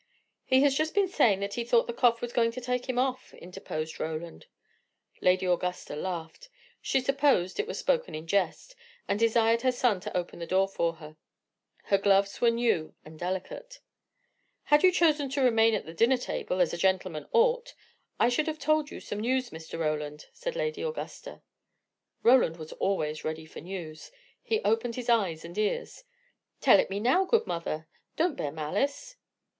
"He has just been saying that he thought the cough was going to take him off," interposed Roland. Lady Augusta laughed; she supposed it was spoken in jest; and desired her son to open the door for her. Her gloves were new and delicate. "Had you chosen to remain at the dinner table, as a gentleman ought, I should have told you some news, Mr. Roland," said Lady Augusta. Roland was always ready for news. He opened his eyes and ears. "Tell it me now, good mother. Don't bear malice."